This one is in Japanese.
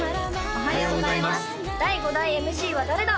おはようございます第５代ＭＣは誰だ？